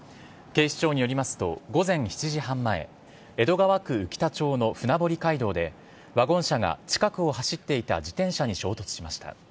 警視庁によりますと、午前７時半前、江戸川区宇喜田町の船堀街道で、ワゴン車が近くを走っていた自転車に衝突しました。